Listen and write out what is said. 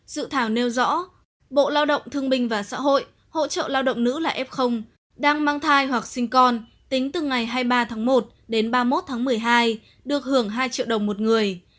dự thảo nêu rõ bộ lao động thương minh và xã hội hỗ trợ lao động nữ là f đang mang thai hoặc sinh con tính từ ngày hai mươi ba tháng một đến ba mươi một tháng một mươi hai được hưởng hai triệu đồng một người